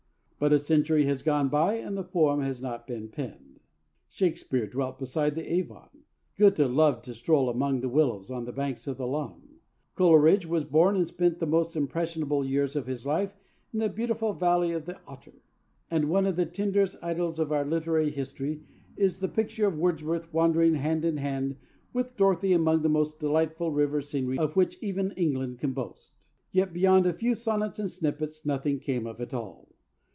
But a century has gone by and the poem has not been penned. Shakespeare dwelt beside the Avon; Goethe loved to stroll among the willows on the banks of the Lahn; Coleridge was born, and spent the most impressionable years of his life in the beautiful valley of the Otter. And one of the tenderest idylls of our literary history is the picture of Wordsworth wandering hand in hand with Dorothy among the most delightful river scenery of which even England can boast. Yet, beyond a few sonnets and snippets, nothing came of it all.